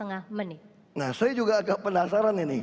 nah saya juga agak penasaran ini